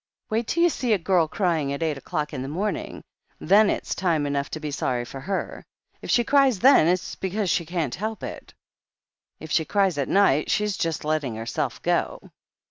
Wait till you see a girl crying at eight o'clock in the morning — ^then it's time enough to be sorry for her. If she cries then, it's because she can't help it. If she cries at night she's just letting herself go."